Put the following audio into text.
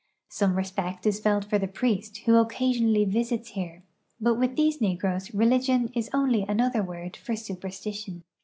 Some respect is felt for the priest who occasionally visits here, but with these negroes religion is only another word for superstition.